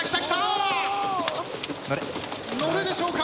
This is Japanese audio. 乗るでしょうか？